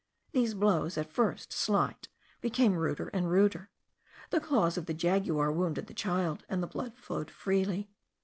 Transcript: These blows, at first slight, became ruder and ruder; the claws of the jaguar wounded the child, and the blood flowed freely.